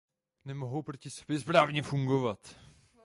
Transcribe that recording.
Nemohou proti sobě správně fungovat.